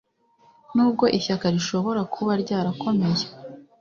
nubwo ishyaka rishobora kuba ryarakomeye,